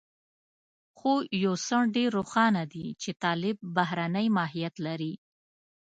خو يو څه ډېر روښانه دي چې طالب بهرنی ماهيت لري.